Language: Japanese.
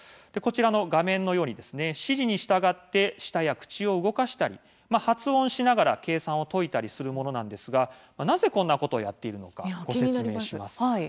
画面の指示に従って舌や口を動かしたり発音しながら計算を解いたりするものですがなぜこんなことをやっているのかご説明します。